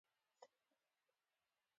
د احمد په کار کې د ګوتې اېښولو ځای نه شته.